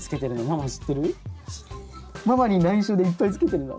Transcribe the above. ママにないしょでいっぱいつけてるの？